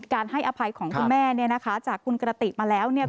การให้อภัยของคุณแม่เนี่ยนะคะจากคุณกระติกมาแล้วเนี่ย